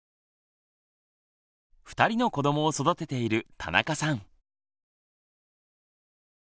２人の子どもを育てている田中さん。